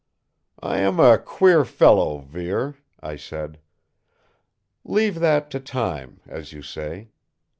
"I am a queer fellow, Vere," I said. "Leave that to time, as you say!